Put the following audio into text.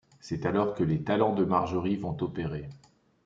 C'est alors que les talents de Marjorie vont opérer.